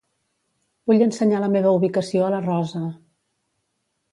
Vull ensenyar la meva ubicació a la Rosa.